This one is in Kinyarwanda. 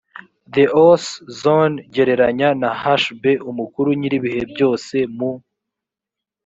the os zon gereranya na hb umukuru nyir ibihe byose mu